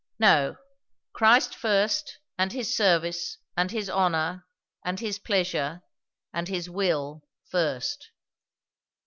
No, Christ first; and his service, and his honour, and his pleasure and his will, first.